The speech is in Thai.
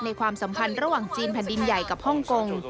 ในความสำคัญระหว่างจีนพันธุ์ดินใหญ่กับฮ่องกง